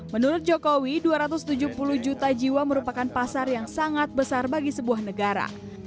menurut jokowi dua ratus tujuh puluh juta jiwa merupakan pasar yang sangat besar bagi sebuah negara